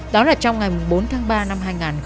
đó là trong ngày bốn tháng ba năm hai nghìn một mươi hai